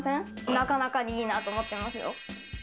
なかなかにいいなと思ってますよ。